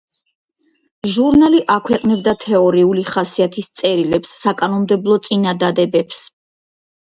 ჟურნალი აქვეყნებდა თეორიული ხასიათის წერილებს, საკანონმდებლო წინადადებებს.